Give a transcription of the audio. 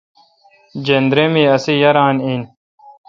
جندرے می اسی یاران این۔